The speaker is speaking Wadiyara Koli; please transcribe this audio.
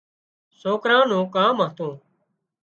سوڪران نُون ڪام هتون